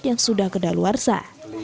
yang sudah kedaluarsa